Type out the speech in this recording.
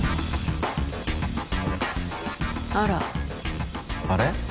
あらあれ？